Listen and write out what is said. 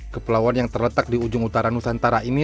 kepulauan yang terletak di ujung utara nusantara ini